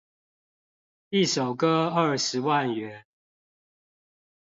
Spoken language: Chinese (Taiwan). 一首歌二十萬元